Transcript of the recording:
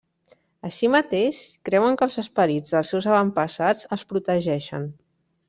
Així mateix, creuen que els esperits dels seus avantpassats els protegeixen.